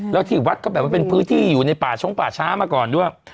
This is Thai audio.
แล้วที่วัดก็แบบว่าเป็นพื้นที่อยู่ในป่าชงป่าช้ามาก่อนด้วย